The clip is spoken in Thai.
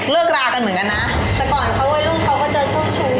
เวลากันเหมือนกันนะแต่ก่อนเขาว่าลูกเขาก็เจอช่วงชู